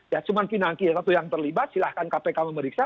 ya cuma pinangki satu yang terlibat silahkan kpk memeriksa